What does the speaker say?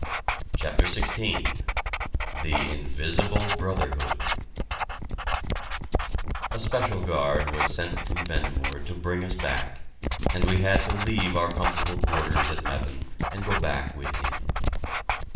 CHAPTER XVI THE INVISIBLE BROTHERHOOD A special guard was sent from Vehnemoor to bring us back, and we had to leave our comfortable quarters at Meppen and go back with him.